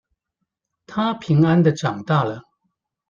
她平安的長大了